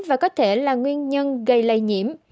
và có thể là nguyên nhân gây lây nhiễm